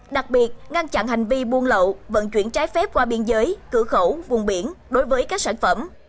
đặc biệt ngăn chặn hành vi buôn lậu vận chuyển trái phép qua biên giới cửa khẩu vùng biển đối với các sản phẩm